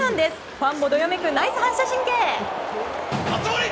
ファンもどよめくナイス反射神経！